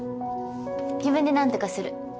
自分で何とかする。